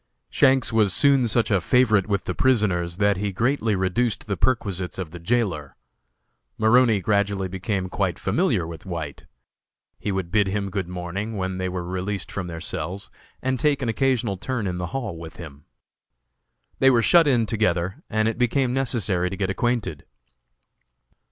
Shanks was soon such a favorite with the prisoners that he greatly reduced the perquisites of the jailor. Maroney gradually became quite familiar with White. He would bid him good morning when they were released from their cells, and take an occasional turn in the hall with him. They were shut in together, and it became necessary to get acquainted.